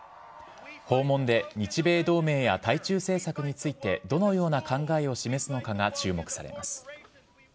訪問で日米同盟や対中政策についてどのような考えを示すのかが注目されます。